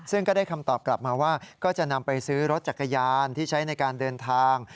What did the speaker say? ซึ่งก็ได้คำตอบกลับมาว่าก็จะนำไปซื้อรถจักรยานที่ใช้ในการเดินทาง